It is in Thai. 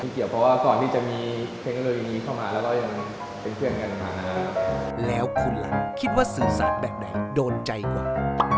ไม่เกี่ยวเพราะว่าก่อนที่จะมีเพมกระโดยินเนี้ยเข้ามาเรายังเป็นเพื่อนกัน